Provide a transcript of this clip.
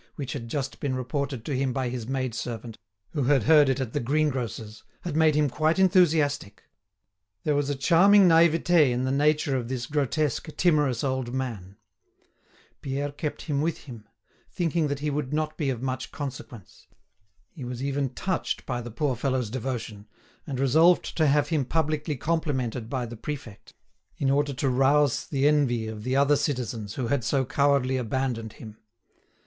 which had just been reported to him by his maid servant, who had heard it at the greengrocer's, had made him quite enthusiastic. There was charming naivete in the nature of this grotesque, timorous old man. Pierre kept him with him, thinking that he would not be of much consequence. He was even touched by the poor fellow's devotion, and resolved to have him publicly complimented by the prefect, in order to rouse the envy of the other citizens who had so cowardly abandoned him.